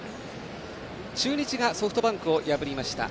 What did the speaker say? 中日がソフトバンクを破りました。